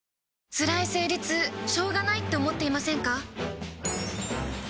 つらい生理痛しょうがないって思っていませんか？